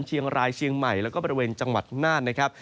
เชียงรายเชียงใหม่แล้วก็บริเวณจังหวัดน่านนะครับ